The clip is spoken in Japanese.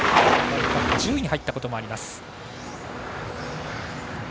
１０位に入ったこともあります。